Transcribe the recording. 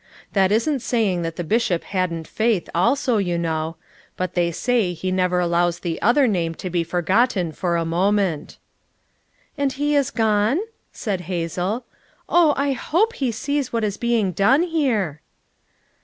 That isn't saying that the Bishop hadn't faith, also, you know; but they say he never allows the other name to be forgotten for a mo ment" "And he is gone?" said Hazel. "Oh, I hope he sees what is being done here!"